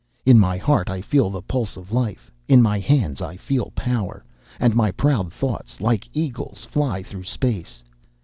In my heart I feel the pulse of life; in my hands I feel power, and my proud thoughts, like eagles, fly through space.